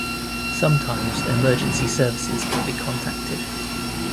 Sometimes emergency services can be contacted.